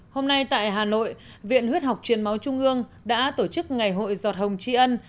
hôm nay tại hà nội viện huyết học truyền máu trung ương đã tổ chức ngày hội giọt hồng tri ân